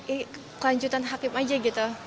eh kelanjutan hakim aja gitu